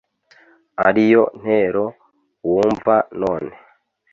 ariyo ntero wumva none;